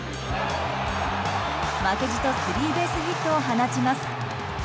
負けじとスリーベースヒットを放ちます。